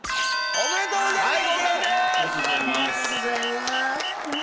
ありがとうございます。